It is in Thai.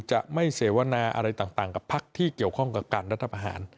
จะไม่เสวนาอะไรต่างกับพักที่เกี่ยวข้องกับการรัฐประหาร